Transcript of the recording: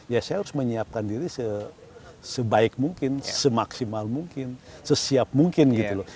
ya saya harus menyiapkan diri sebaik mungkin semaksimal mungkin sesiap mungkin gitu loh